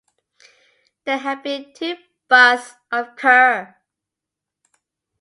There have been two busts of Kerr.